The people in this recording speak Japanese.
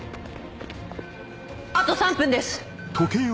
あと３分です。